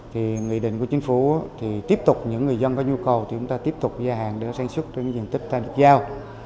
thì nghị định của chính phủ thì tiếp tục những người dân có nhu cầu thì chúng ta tiếp tục gia hạn để sản xuất trên cái diện tích ta được giao